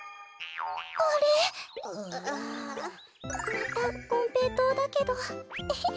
またこんぺいとうだけどエヘ。